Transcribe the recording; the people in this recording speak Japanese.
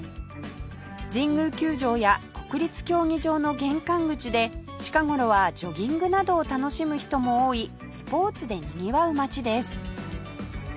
神宮球場や国立競技場の玄関口で近頃はジョギングなどを楽しむ人も多いスポーツでにぎわう街です